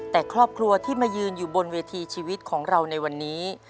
แต่ครอบครัวที่มายืนอยู่บนเวทีนี้